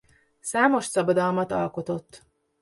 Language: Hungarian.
Számos szabadalmat alkotott.